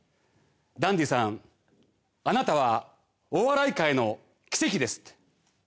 ダンディさんあなたはお笑い界の奇跡ですって。